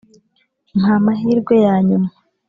mpa amahirwe ya nyuma